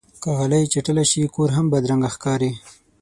که غالۍ چټله شي، کور هم بدرنګه ښکاري.